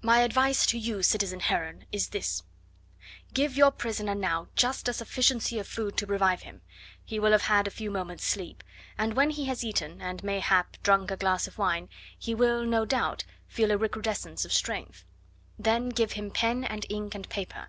"My advice to you, citizen Heron, is this: Give your prisoner now just a sufficiency of food to revive him he will have had a few moments' sleep and when he has eaten, and, mayhap, drunk a glass of wine, he will, no doubt, feel a recrudescence of strength, then give him pen and ink and paper.